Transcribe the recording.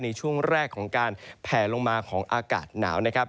ในช่วงแรกของการแผลลงมาของอากาศหนาวนะครับ